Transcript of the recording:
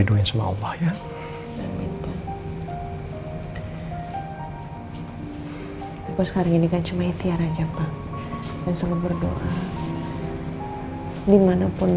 buat ngamuk keberadaan